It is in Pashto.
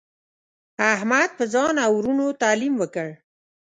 احمد په ځان او ورونو تعلیم وکړ.